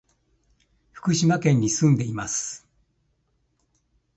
福島県に住んでいます。